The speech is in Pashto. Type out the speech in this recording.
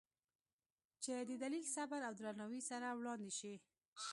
چې د دلیل، صبر او درناوي سره وړاندې شي،